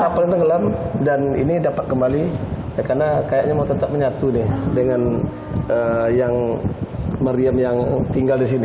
kapalnya tenggelam dan ini dapat kembali karena kayaknya mau tetap menyatu nih dengan yang meriam yang tinggal di sini